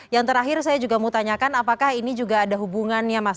yang terakhir saya juga mau tanyakan apakah ini juga ada hubungannya mas